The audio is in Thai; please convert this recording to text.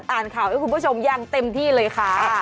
อ่านข่าวให้คุณผู้ชมอย่างเต็มที่เลยค่ะ